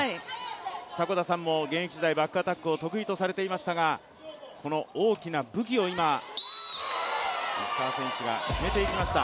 迫田さんも現役時代バックアタックを得意とされていましたがこの大きな武器を今、石川選手が決めていきました。